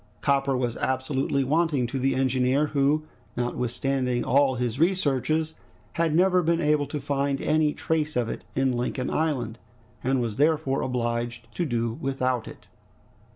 Copper was absolutely wanting to the engineer, who, notwithstanding all his researches, had never been able to find any trace of it in Lincoln Island, and was therefore obliged to do without it.